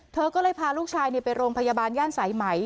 เธอก็เลยพาลูกชายไปโรงพยาบาลย่านสายไหม